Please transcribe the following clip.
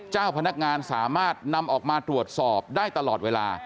เจ้าพนักงานสามารถนำออกมาตรวจสอบได้ตลอดเวลา